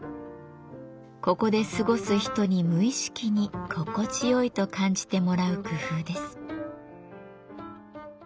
ここで過ごす人に無意識に心地よいと感じてもらう工夫です。